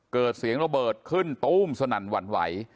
เกิดเสียงระเบิดขึ้นตู้มสนั่นหวั่นไหว